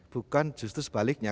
bukan justru sebaliknya